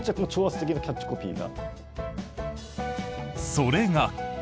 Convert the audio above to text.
それが。